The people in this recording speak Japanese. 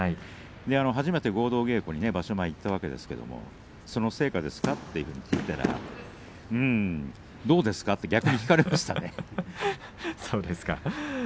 初めて合同稽古に場所前行ったわけですがその成果ですか？と聞きますとうん、どうですか？と逆に聞かれてしまいました。